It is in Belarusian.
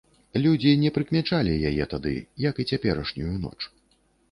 Людзі не прыкмячалі яе тады, як і цяперашнюю ноч.